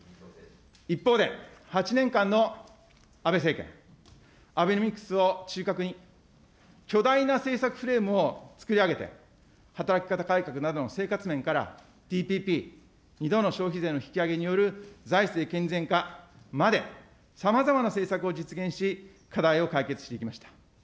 一方で、８年間の安倍政権、アベノミクスを中核に、巨大な政策フレームをつくり上げて、働き方改革などの生活面から、ＴＴＰ、２度の消費税引き上げによる財政健全化まで、さまざまな政策を実現し、課題を解決していきました。